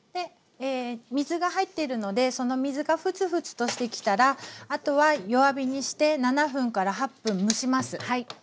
水が入ってるのでその水がフツフツとしてきたらあとは弱火にして７分８分蒸します。